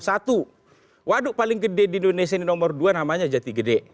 satu waduk paling gede di indonesia ini nomor dua namanya jati gede